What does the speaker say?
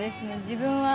自分は。